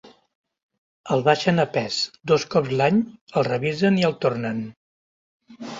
El baixen a pes, dos cops l'any, el revisen i el tornen.